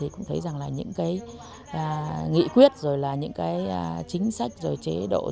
cũng thấy rằng những nghị quyết chính sách chế độ